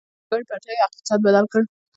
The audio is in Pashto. د اورګاډي پټلۍ اقتصاد بدل کړ.